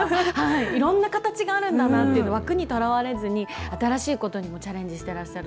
いろんな形があるんだなと、枠にとらわれずに、新しいことにもチャレンジしてらっしゃる